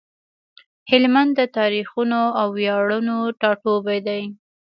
هلمند د تاريخونو او وياړونو ټاټوبی دی۔